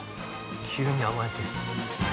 急に甘えて。